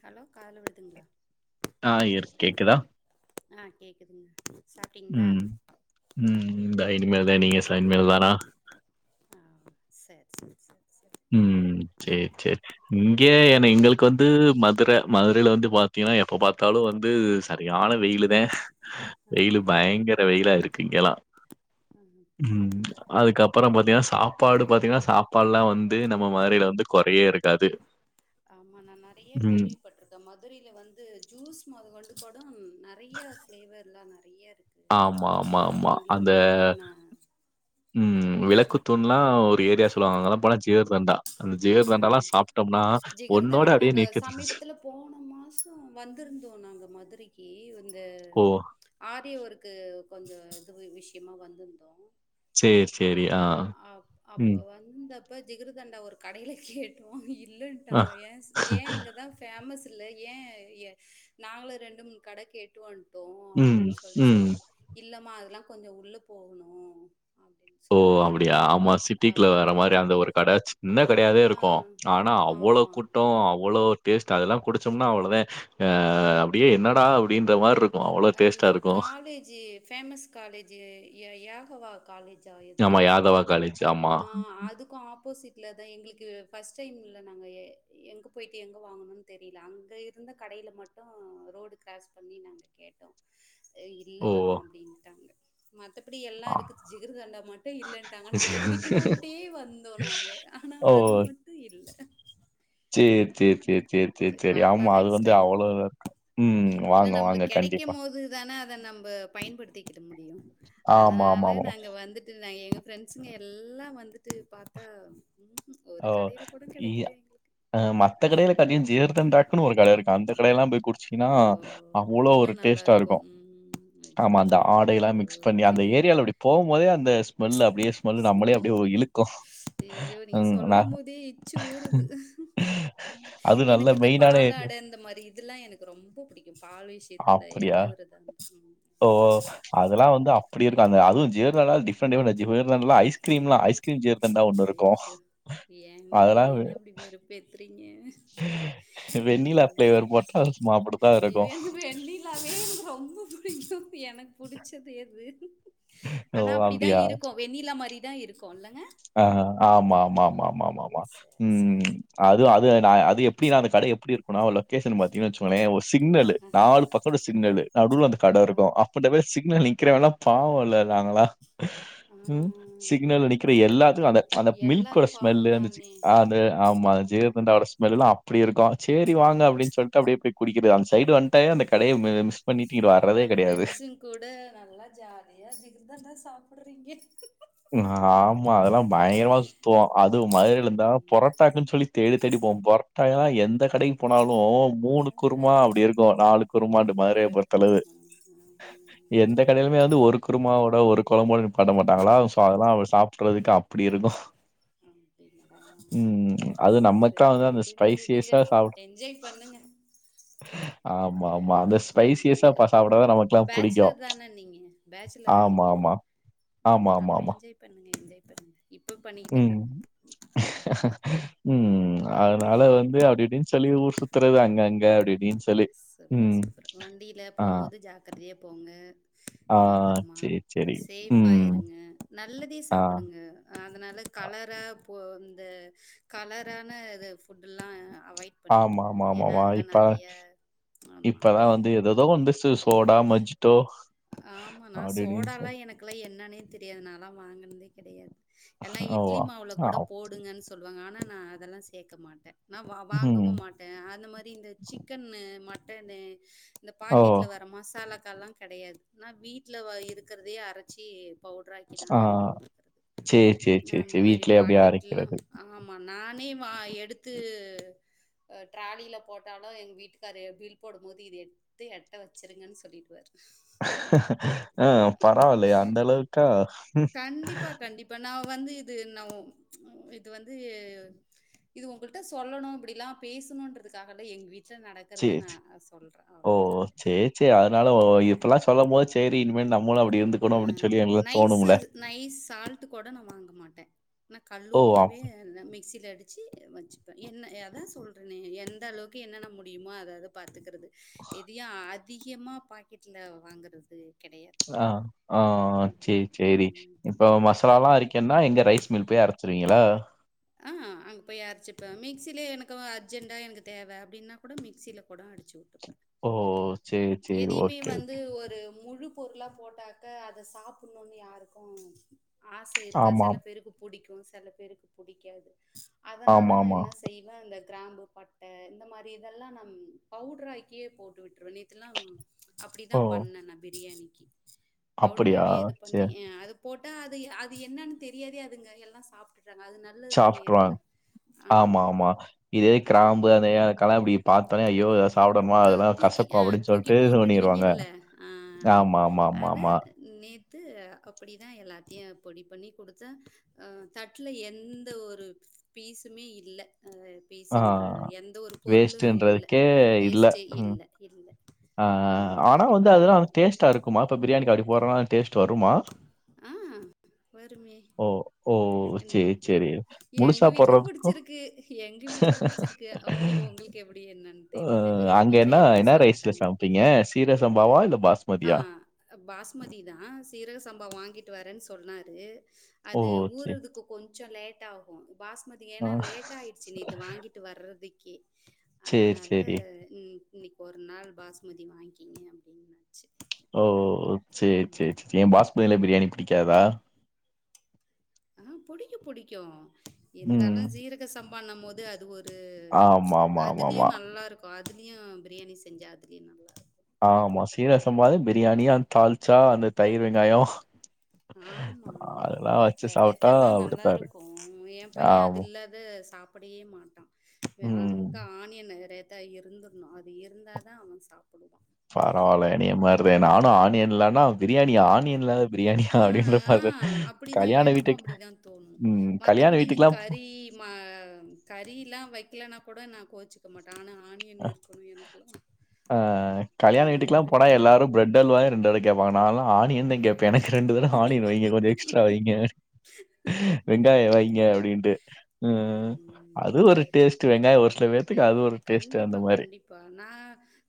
Hello call வருதுங்ளா ஆஹ் இரு கேக்குதா ஆ கேக்குதுங்க சாப்ட்டீங்களா உம் உம் இந்தா இனிமேல் தா நீங்க ச இனிமேல் தானா ஆ சேரி சேரி சேரி சேரி உம் சேர் சேர் இங்க ஏன் எங்களுக்கு வந்து மதுர மதுரைல வந்து பாத்திங்னே எப்ப பாத்தாலு வந்து சரியான வெயிலுதே ஆ வெயிலு பயங்கர வெயிலா இருக்கு இங்கலா உஹம் அப்டிங்களா அதுக்கப்பறொ பாத்திக்னா சாப்பாடு பாத்திங்னா சாப்பாட்லா வந் மதுரைல வந்து கொறையே இருக்காது ஆமா நா நெறையா ம். கேள்விப்பட்டிருக்கே மதுரைல வந்து ஜூஸ் மொத கொண்டு சொடுன் நெறையா ஃபிளேவர்ல நெறையார் ஆமா ஆமா ஆமா அந்த நா உம் விளக்கு தூண்லா ஏரியா சொல்வாங்க அங்கலா போனா ஜிகர்தண்டா அந்த அஹ் ஜிகர்தண்டாலாம் சாப்பிட்டோம்னா, ஒண்ணோட ஜிகிர்தண்டா அப்படியே நாங்க நிக்குது. சமீபத்துல போன மாசொ வந்துருந்தோ நாங்க மதுரைக்கு ஏவு இந்த ஓ! ஆரிய ஒருக் க்கு கொஞ்சொ எக்குற்து விஷயமா வந்துருந்தோ சேர் சேரி ஆஹ் உம் பு ஜிகிருதண்டா ஒரு கடைல கேட்டோ இல் ஆ. இல்லன்டாங்க ஏஸ் ஏன் இங்கதான் ஃபேமஸ் இல்ல ஏன் ஏ நாங்களும் ரெண்டு மூணு கடை கேட்டு வன் டோ ம், அப்டின் சொல்லி ம். சொன்ன இல்லமா அ லா கொஞ்சொ உள்ள போகணூ ஓ அப்டியா ஆமா சிட்டிக்குள்ள வேற மாரி அப்படின்ட்டாங்க. அந்த ஒரு கட சின்ன கெடையாவே ஆ. இருக்கு ஆனா அவ்வளொ ஆமா. கூட்டோ அவ்ளோ டேஸ்ட்டா அதெல்லா குடிச்சம்னா அவ்வொளதே அ அப்டியே என்னடா அப்டின்ற மாரி இரு அந்த காலேஜ் ஃபேமஸ் காலேஜ் யாகவா காலேஜ் ஜ எதோ ஆமா, ஒரு யாதவா காலேஜ் ஆமா. ஆ அதுக்கு ஆப்போசிட் இல்லதா எங்களுக்கு ஃபர்ஸ்ட் டைம்ல நாங்க எங்க போயிட்டு எங்க வாங்கணுனு தெரியல அங்க இருந்த கடையில மட்டு ரோடு க்ரராஸ் பண்ணி நாங்க கேட்டோ இது ஓ! இல்லமா அப்படின்ட்டாங்க மத்தபடி எல்லா ஆ. இருக்குது ஜிகிர்தண்டா மட்டு இல்லன்ட்டாங்க நாங்க குடிக்கணுட்டே வந்தோ நாங்க ஆனா ஓ! அது மட்டு இல்ல எ செரி செரி செரி சரி செரி ஆமா பார்க்கலாம் அது நெக்ஸ்ட் வந்து டைம் அவ்வளவு உம் ஏன்னா வாங்க வாங்க நம்மளுக்கு கிடைக்கும் கண்டிப்பா த்த முடியு ஆமா, ஆமா, அதனால ஆமாமா. நாங்க வந்துட்டு நா எங்க ஃப்ரெண்ட்ஸ்ங்க எல்லா வந்துட்டு பாத்தா ம்ஹும் ஒரு ஓ கடையில கூட இ கிடைக்கல எங்களுக்கு ய மத்த கடையில [unintelligible] ஜிகர்தண்டாக்குனு ஒரு கட இருக்கு அந்த கடையெல்லாம் போய் குடிச்சீங்கனா ஓ அவ்ளோ இன்னு ஒரு நல்லா டேஸ்ட்டா இருக்கு ம் ஆமா அந்த அச்சச்சோ ஆடை எல்லா மிக்ஸ் பண்ணி அந்த எல்லாத்தையுமே ஏரியால அப்படி போம்போதே அந்த ஸ்மெல்லு அப்படியே ஸ்மெல்லு நம்மளயே அப்படியே இழுக்கு சொல்லும்போதே எச்சு ஊறுது அது நல்ல எனக்கு இந்த மெயினான ஏரியா. பாலாடை இந்த மாரி இதெல்லா எனக்கு ரொம்போ புடிக்கூ பால் விஷயத்துல அப்படியா? எந்த ஒரு இது ஓ! அதெல்லாம் வந்து அப்படி இருக்கு அது ஜிகர்தண்டா டிஃபரண்டு ஜிகர்தண்டா ஐஸ்கிரீம்ல்லா ஐஸ் கிரீம் ஜிகர்தண்டா ஒண்ணு இருக்கு ஐயோ ஏங்க ஏங்க அப்படி வேறுப்பு ஏத்துறீங்க வெண்ணிலா ஃபிளேவர் போட்டா சும்மா அப்படித்தான் ஐயோ இருக்கும். எனக்கு வெண்ணிலாவே எனக்கு ரொம்போ [unintelligible] எனக்கு புடிச்சது எது ஓ! ஆனா அப்படிதா அப்படியா? இருக்கு வெண்ணிலா மாரி தா இருக்கு இல்லங்க ஆஹ் ம் ஆமாமாமாமா சேரி சேரி உம் சேரி அது அது து அது எப்படி அந்த கட எப்படி இருக்குனா லொகேஷன் பாத்தீங்கனா வெச்சுக்கங்களேன் ஒரு சிக்னல் நாலு பக்கோட சிக்னலு நடுவுல அந்த கட ஆ இருக்கு அப்பட சிக்னல்ல நிக்கிறவன் எல்லா பாவோல்ல நாங்கெல்லா ஆ உம் சிக்னல்ல நிக் இல்ல அப்பா எல்லாத்துக்கு அந்த அந்த எல்லாரு மில்கோட ஸ்மெல்லு அந்த பாவந்தானே ஆ ஆமா ம் ஜிகர்தண்டாவோட ஸ்மெல் லா அப்படி இருக்கு சேரி வாங்க அப்படினு சொல்லிட்டு அப்படியே போய் குடிக்கிறது அந் எல்லா வர்றதே கிடையாது. ஃபிரண்ட்ஸுங்கூட நல்லா ஜாலியா ஜிகர்தண்டா சாப் பிடறீங்க ஆமா அதெல்லா பயங்கரமா சுத்துவோ அது மதுரில இருந்தா ம் பொரட்டாக்குன்னு சொல்லி தேடி தேடி போவோ பொரட்டா எல்லா எந்த கடைக்கு போனாலு மூணு குருமா அப்படி இருக்கு நாலு குருமான் மதுரைய ஐயா பொறுத்தளவு எந்த கடையிலுமே வந்து ஒரு குருமாவோட ஒரு கொழம்போட நிப்பாட்ட மாட்டாங்களா அவ சாப்படுறதுக்கு அப்படி இருக்கும் அப்படிங்களா உம் அது நமக்கா சரி வந்து அந்த விடுங்க விடுங்க ஸ்பைசியஸா சாப்பிடு என்ஜாய் பண்ணுங்க ஆமா ஆமா அந்த ஸ்பைசியஸா சாப்பிடாதா நமக்குல்லா புடிக்கு பேச்சுலர் தானே நீங்க பேச்சுலரா ஆமா நீங்க ஆமா ஆமா ம், ஆமா அப்ப ஆமா என்ஜாய் பண்ணுங்க என்ஜாய் பண்ணுங்க இப்போ பண்ணிக்கிட்டே உம் தான் உம்ம் ஆமா அதனால வந்து அப்டி இப்டின்னு சொல்லி ஊர் சுத்துறது அங்க அங்க அப்படிப்டின்னு சூப்பர் சூப்பர் வண்டியில போகும்போது ஜாக்கிரதையா போங்க ஆ, பத்திரமா சரி, சரி. சேஃபா ம். இருங்க நல்லதே ஆ. சாப்பிடுங்க அதனால கலரா இந்த கலரான இது ஃபுட்டல்லா அவாய்ட் பண்ணுங்க ஆமா, ஏன்னா அதுலாம் நறைய இப்பதா வந்து ஏததோ வந்துச்சு சோடா மஜ் ஆமா நா சோடாலா சொல் எனக்குல்லா என்னன்னே தெரியாது நாலா வாங்கினதே கெடையாது எல்லா இட்லி ஓவா! மாவுள கூட ஆவ். போடுங்கன்னு சொன் சொல்லுவாங்க ஆனா நா அதெல்லா சேக்க மாட்டே நா வா ம். வாங்கவு மாட்டே அந்த மாதி இந்த சிக்கன்னு மட்டன்னு இந்த ஓ! பாக்கெட்ல வர மசாலா ல்லா கெடையாது நா வீட்ல இருக்கிறதையே அரச்சி பவுடராக்கி ஆ. நானாவே போட்டுக்கிறது சரி, சரி, நா சரி, அந்த சரி. மாரி வீட்லயே அப்டியே பாக்கெட்லா அரைக்கிறது. ஆமா நானே வா எடுத்து ட்ராலியில போட்டாலு எங்க வீட்டுக்காரர் க்ஷ பில் போடும்போது இத எடுத்து எட்ட வச்சுருங்கன்னு சொல்லிடுவாரு அஹ் பரவாலையே அந்த அளவுக்கா கண்டிப்பா கண்டிப்பா நா வந்து இது நா இது வந்து இது உங்களுட்ட சொல்லணு இப்டில்லா பேசணுன்றதுக்காகல்ல எங்க வீட்டு சேரி சே ஓ சேரி சே ம். அதனால இப்பெல்லா சொல்லும் போது சேரி இனிமேல் நம்மளு அப்டி இருந்துக்கணு அ அப்டின்னு சொல்லி எங்ளுக்லா நைஸு தோணும்ல நைஸ் சால்ட் கூட நா வாங்க மாட்டே நா கல் ஓ! அப் உப்பவே மிக்சில அடிச்சி வச்சுப்பே என்ன அதா சொல்றனே எந்த அளவுக்கு என்னென்ன முடியுமோ அதது பாத்துக்கறது எதியு அத் அதிகமா பாக்கெட்ல வாங்கறது அ ஆஆ சேர் சேரி சேரி ம். இப்ப மசலால்லா அரிக்என்னா எங்க ரைஸ் மில் பேய் அரச்சிருங்களா ஆ அங்க போய் அரச்சுப்பே மிக்சிலே எனக்கு அர்ஜெண்டா எனக்கு தேவ அப்டின்னா கூட மிக்சில கூட அடிச்சுஉட்டு ஓ ஒ சேரி சேரி ஓக்கே வந்து ஓகே ஒரு முழு பொருளா போட்டாக்க அத சாப்புட்ணுன் யாருக்கு ஆச இருக்கா செல ஆமாம் பேருக்கு புடிக்கு ம் செல பேருக்கு புடிக்காது அதனால நா ஆமாமா என்ன செய்வே அந்த கிராம்பு பட்ட இந்த மாரி இதெல்லா நம் பவுட்ராக்கி போட்டுவிட் ட்ருவ நேத்தெல்லாம் ஓ அப்புடித்தான் பண்ணே நான் பிரியாணி அப்படியா பவுட்ரவே இது பண்ணி சேர் ஏ அது போட் ட அது எ அது என்னன்னு தெரியாதயே அதுங்க எல்லா சாப்ட்டுட்றா சாப்ட்ரு வாங் ஆமா ஆமா இதே கிராம்பு அந்த அத ஏலக்காலா இப்டி பாத்தோன்னே ஐயோ இத சாப்டணுமா அதெல்லா தூக்கி கசக்கு ஆ அப்புடின் தூக்கி சொல்ட்டு சொண்ணிருவாங்க போட்டுடுவீங்கல்ல ஆ ஆமா ஆமா ஆமா ஆமா அப்புடிதா எல்லாத்தையு பொடி பண்ணி குடுத்த அ தட் ட்ல எந்த ஒரு பீஸுமே இல்ல அ ஆ பீஸுன்ற எந்த ஒரு பொருளு இல்ல வேஸ்ட்டுன்றதுக்கே வேஸ்டே இல்ல இல்ல அ அ அந்த அ ஆனா மாரி வந்து அதெல்லா பண்ணிட்டு வந்து டேஸ்டா இருக்குமா இப்ப பிரியாணிக்கு அப்புடி போறேன்னா டேஸ்டு வருமா அ வருமே ஓ ஓ! ம் சரி, சரி. எங்க முழுசா வீட்ல போடுறதுக்கும் புடிச்சிருக்கு எங்க வீட்ல புடிச்சிருக்கு ஓ ஓ உங்களுக்கு எப்புடி என்னன் அ தெரியில எங்க வீட்ல எல்லா சாப்டாங்க இங்க சீரசம்பாவா இந்தப் ஆ அ பாஸ்மதி தா சீரக சம்பா வாங்கிட்டு வரேன் ஸ் சொன்னாரு ஓ! அது சரி. ஊறதுக்கு கொஞ்ச லேட் டாகு பாஸ்மதி ஆ ஏனா லேட்டாயிடுச்சு நேத்து வாங்கிட்டு வர்றது க்கே சரி, அதனால சரி. இ இன்னைக்கு ஒரு நாள் பாஸ்மதி வாங்க்கிங்க அப்டின்ன ஓ ஓ ஓ சேர் செரி செரி ஏ பாஸ்மதிலயே பிரியாணி பிடி க்காதா ஆ புடிக்கு புடிக்கு ம். இருந்தாலு ஜீரக சம்பானம் போது அது ஒரு ஆமாமாமாமா. அதிலயு ஆமா. ஆமா நல்லாருக்கு இப்போ அதுலயு பிரியாணி செஞ்ச அதுலயு நல்லா ஆமா சீரக சம்பலையு பிரியாணி அது தள் ட்சா அந்த தயிர் வெங்காயோ ஆமா ஆமா ரைத்தா சாப்பிட்டா எல்லா நல்லா அப்படித்தான் இருக்கும். இருக்கு ஏ பைய அது ஆமா. இல்லாத சாப் படியே மாட்டா ஆ அவனுக்கு ம். ஆனியன்னு ரைத் தா இருந்துற்ணு அது இருந்தாதா அவ சாப் பரவாயில்ல என்னைய மாரிதா நானு ம் ஆனியன் இல்லனா பிரியாணி ஆனியன் இல்லாத பிரியாணி ஆ ஆ, அப்டிதா எனக்கு அப்படிதா தோணு ம். கல்யாண மத்தபடி நீ வீட்டுக்குலாம் கறி ம கறிலா வைக்கலனா கூட நா கோ கோச்சிக்க மாட் ஆ, அ அ அந்த கல்யாண வீட்டுக்குல்லா மோரு போனா எல்லாரு பிரெட் ட் அல்வாதா ரெண்டுதடவ கேட்பாங்கே நான்லா ஆனியன்தா கேப் பே எனக்கு ரெண்டு தடவ ஆனியன் வைங்க கொஞ்சோ எக்ஸ்ட்ரா வைங்க வெங்காய வைங்க அப்டிங்களா அப்டின்ட்டு, ம் அது ம் ஒரு டேஸ்ட்டு வெங்காய ஒரு சில தே பேத்துக்கு அது ஒரு டேஸ்ட்டு அந்த கண்டிப்பா மாரி. கண்டிப்பா, நா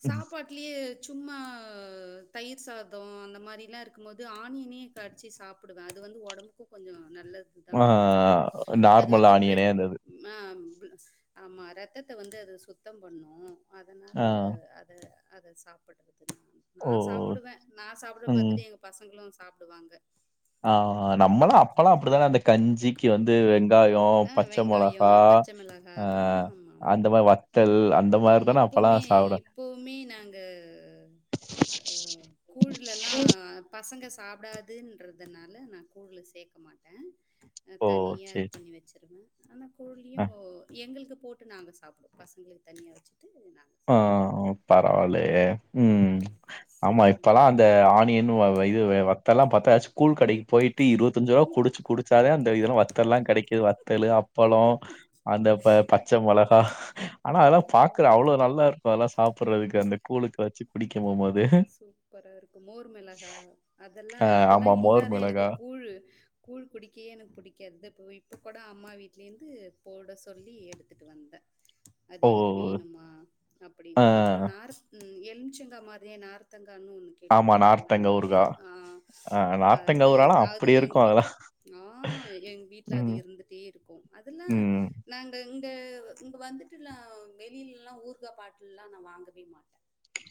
சாப்பாட்லேயே சும்மா தயிர் சாதோ அந்த மாரிலா இருக்கும்போது ஆனியனே கடிச்சு சாப்பிடுவ அது வந்து ஒடம்புக்கு கொஞ்சோ நல்லது ஆ தான்றாங்க அது நார்மல் வந்து ஆனியனே பிரெட் அந்த இது. ம ஆமா ரெத்தத்த வந்து அது சுத் தம் பண்ணு அதனால ஆ. அத அத சாப்பிடு ஓ! நா சாப்பிடுவ நா சாப்பிட ம். பாத்துட்டு எங்க பசங்களு சாப்டுவாங்க ஆ நம்மல்லா அப்பல்லா அப்டித்தான அந்த கஞ்சிக்கு வந்து வெ வெங்காயோ ஆ பச்ச வெங்காயோ, மொளகா பச்ச மிளகா அ அந்த மாரி வத்தல் அந்த அ மாரி தானே இப்போமே அப்பலாம் சாப்பிட இப்பவுமே நாங்க அ கூழ்லல்லா பசங்க சாப்டாதுன்றதுனால நா கூழ்ல சேக்க மாட்ட ஓ! தனியா இது சரி, சரி. பண்ணி வச்சிருவ அந்த கூழ்லியு ஆ. ஓ எங்ளுக்கு போட்டு நாங்க சாப்டுவோ பசங்களுக் தனியா வெச்சுட்டு ஆ பரவால் லயே ம் ஆமா இப்பல்லா அந்த ஆனியன் அ இது வத்தல்லா பத் ப்ப ஸ்கூல் கடைக்கு போய் தி இருபத்தஞ்சுருவா குடிச்சு குடிச்சாதே அந்த இ வத்தெல்லா கெடைக்குது வ த்தலு அ பளோ அந்த ப பச்ச மொளக் அ ஆனா அதலா ஆமா பாக்குற ஆமா அவ்ளோ நல் ஒஅத்லா சாப்புட்றதுக்கு அந்த கூலுக்கு வச்சு குடிக்க போமோது சூப்பரா இருக்கு மோர் மிளகாய் அதெல்லா ஆ ஆமா அதெல்லாம் மோர் இல்லாத எனக்கு மிளகா கூழ் கூழ் குடிக்கையே எனக்கு புடிக்காது போ ப கூட அம்மா வீட்லேந்து போட சொல்லி எடுத்துட்டு வந்த அது ஓ எனக் வேணுமா ஆ அப்புடின்னு அப்புற நாரு எல்ம்ச்சங்கா மாத்ரியே நார் காணு ஒன்னு ஆமா கேள்விப்பட்டருப்பீங்ள நார்த்தங்க நல்லா ஊறுகா பேரு ஆ ஆ நார்த்தங்கா அது ஊறாலா அது அப்டி இருக்கு எங்கு வீட அதெல்லா ஆ எங வீட்ல அது ம் இருந்துட்டே இருக்கு அதுல்லா ம் நாங்க இங்க இங்க வந்துட்டுலா வெளியிலுல்லா ஊர்க்கா பாட்டுல்லா நா வாங்கவே மாட்ட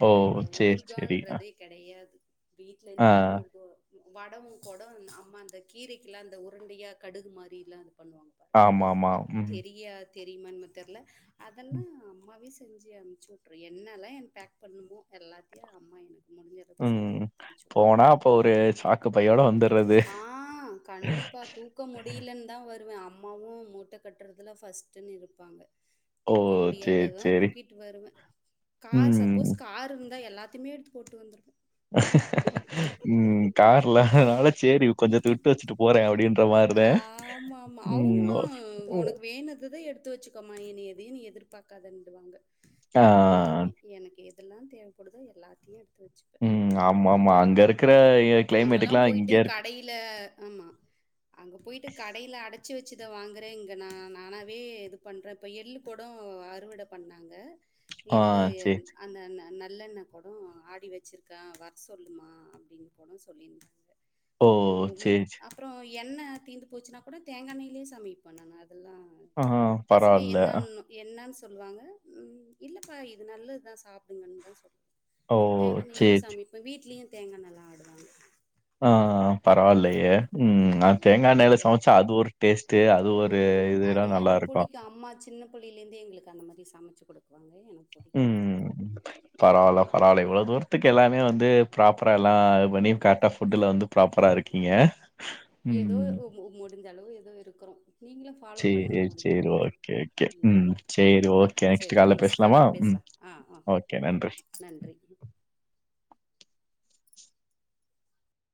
ஒ ஒ சேரி சே வான்றதே கெடையாது வீட்லென்ன ஆ எடுத்துரு வருதோ வடவு கொட அம்மா அந்த கீரைக்கிலா அந்த உருண்டையா கடுகு மாரிலா ஆமாமா ம் தெரியுமான்ம தெர்ல அதெல்லா அம்மாவே செஞ்சு அனுப்ச்சுட்ரு என்னல்லா எனக் பேக் பண்ணுமோ எல்லா த்தயு அம்மா எனக் முடிஞ்சளவுக்கு செஞ்சு ம். குடுத்து அனுப்ச்சுட்ரு போனா அப்போ ஒரு சாக்கு பையோட வந்துர்றது. ஆ கண்டிப்பா தூக்க முடியலன்தா வருவே அ அம்மாவு மூட்டை கட்டுறதுல ஃபஸ்ட்டுன் இருப்பாங்க ஓ! தூக்க சேரி, முடியாததா சேரி. தூக்கிட்டு வருவ கார் சப்போஸ் ம். கார் இரு ந்தா எல்லா த்தமே எடுத்து போட்டு வந்துருவோ ம் கார்ல அதனால சேரி கொஞ்சத்த விட்டு வெச்சுட்டு போறே அப்டி ஆமாமா அவுங்களு ஒ உனக்கு வேனுனதா எடுத் து வெச்சுக்கமா எனைய எதையு நீ எதிர்பாக்காதண்டுவாங்க ஆ. எல்லாமே எனக்கு எது எதெல்லா தேவப்படுதோ எல்லாத்தையு எடு ம் ஆமாமா அங்க இருக் ற அங்கல்லா போயிட்டு கடையில ஆமா அங்க போயிட்டு கடையில அடைச்சு வெச் ச்சுத வாங்குறே இங்க நா நானாவே இது பண்ணுறே இப்போ எள்ளு போடோ அறுவட பண்ணாங்க ஆ எள்ளு சரி. எந் அந்த அந்த அந்த ல்லெண்ண குடம் ஆடி வெச்சிருக்கா வர சொல்லுமா அப்புடின்னு [inaudible] சொல்லியிருந்தாங்க ஓ ஓ ஓ சேரி சே எண்ணெ தீந்து போச்சுனா கூட தேங்காண்ணெயிலே சமைப்போ நானு அத் ஆ பரவால்ல என்னன்னு சொல்லுவாங்க ம் இல்லப்பா இது நல்லத்தா சாப்ட்டுங்கன்னு தா சொல் ஓ! சரி, தேங்காண்ணெய்லையே சரி. சமைப்ப வீட்லேயு தேங்கா நல்லாட் ஆ ஆ ஆ பரவால்லையே ம் ம் நா தேங்கா எண்ணெயில ம் சமச்சா அது ஒரு டேஸ்ட் ஆ அது எனக்கு புடிக்கு அம்மா சின்ன புள்ளையில இந்தே எங்களுக்கு க அந்த மாரி சமச்சு குடுக்குவாங்க எனக்கு புடிக்கு அது ம் ம். பரவால்ல பரவால்ல இவ்வளவு தூரத்துக்கு எல்லாமே வந்து ப்ராப்பரா எல்லா அது பண்ணி கரக்டா ஃபுட்டு்ல வந்து ப்ராப்பரா இருக்கீங்க ஏதோ ம். உ மு முடிஞ்ச அளவு எதோ இருக் குறோ நீங்களும் ஃபாலோ பண்ணுங்க சரி, முடிஞ்ச சரி. அளவுக்கு ஓகே, ஓகே. ம். சரி, ம் ஓகே. செரி கால்ல நெக்ஸ்ட் பேசலாமா? காலில ம். பேஸ்லா அ அ நன்றி